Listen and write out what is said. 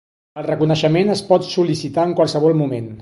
El reconeixement es pot sol·licitar en qualsevol moment.